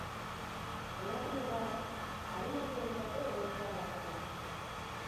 Emakume bat, adinekoentzako egoitza batean.